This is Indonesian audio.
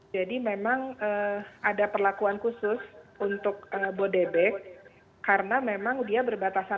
jadi memang ada perlakuan khusus untuk bodebek karena memang dia berbatasan